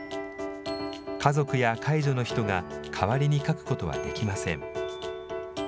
家族や介助の人が代わりに書くことはできません。